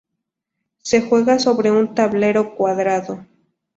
Se juega sobre un tablero cuadrado.